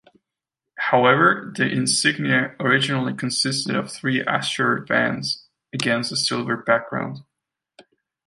However, the insignia originally consisted of three azure bands against a silver background.